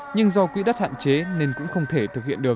nhưng do quỹ đất hạn chế nên cũng không thể thực hiện được